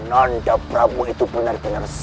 nanda prabu itu benar benar